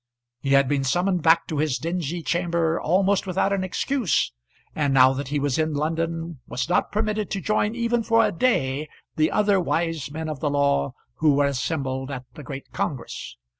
He had been summoned back to his dingy chamber almost without an excuse, and now that he was in London was not permitted to join even for a day the other wise men of the law who were assembled at the great congress.